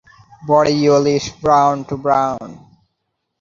Body yellowish brown to brown.